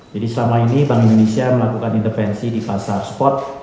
jadi selama ini bank indonesia melakukan intervensi di pasar spot